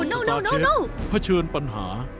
สตาร์เชฟเผชิญปัญหา